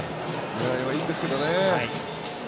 狙いはいいんですけどね。